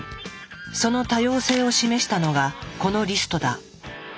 その多様性を示したのがこのリストだ。